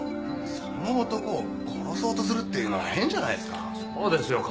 その男を殺そうとするっていうのは変じゃないですか？